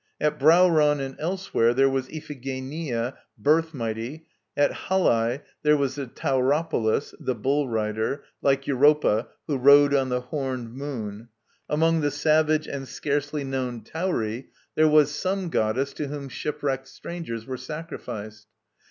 At Brauron and elsewhere there was Iphigenia ('Birth mighty'); at Halae there was the Tauropolos ('the Bull rider,' like Europa, who rode on the horned Moon); among the savage and scarcely known Tauri there was some goddess to whom shipwrecked strangers were sacrificed.